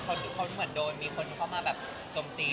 ทุกคนเหมือนโดนมีคนเข้ามาแบบจมตี